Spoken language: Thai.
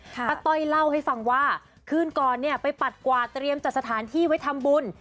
ต้อยเล่าให้ฟังว่าคืนก่อนเนี่ยไปปัดกวาดเตรียมจัดสถานที่ไว้ทำบุญ